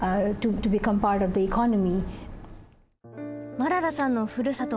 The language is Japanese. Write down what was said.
マララさんのふるさと